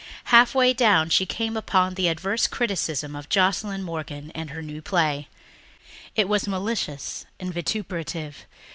Halfway down she came upon an adverse criticism of Joscelyn Morgan and her new play. It was malicious and vituperative.